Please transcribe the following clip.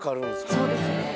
そうですね。